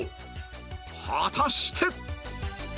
果たして